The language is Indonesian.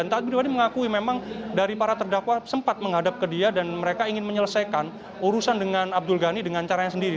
taat pribadi mengakui memang dari para terdakwa sempat menghadap ke dia dan mereka ingin menyelesaikan urusan dengan abdul ghani dengan caranya sendiri